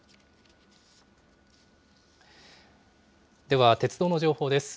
では、鉄道の情報です。